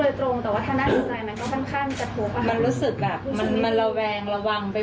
ในวันก็ที่แค่มันจะเห็นไปดูสุดแบบมันระวางรัววางไป